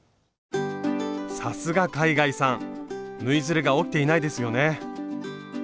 さすが海外さん縫いずれが起きていないですよね！